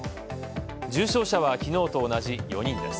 重症者は昨日と同じ４人です。